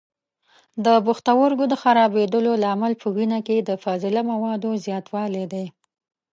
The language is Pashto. د پښتورګو د خرابېدلو لامل په وینه کې د فاضله موادو زیاتولی دی.